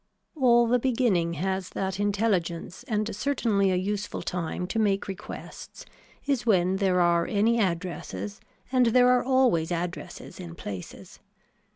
All the beginning has that intelligence and certainly a useful time to make requests is when there are any addresses and there are always addresses in places.